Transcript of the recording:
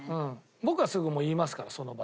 僕はすぐ言いますからその場で。